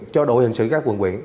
cho đội hình sự các quân huyện